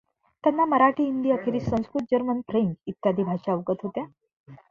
त्यांना मराठी, हिंदी खेरीज Sanskrit, German, French इ. भाषा अवगत होत्या.